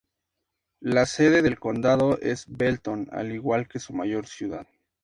La sede del condado es Belton, al igual que su mayor ciudad.